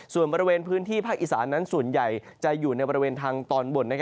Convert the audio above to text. ส่วนบริเวณพื้นที่ภาคอีสานั้นส่วนใหญ่จะอยู่ในบริเวณทางตอนบน